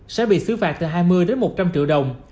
sẽ bị xứ phạt từ hai mươi đến một trăm linh triệu đồng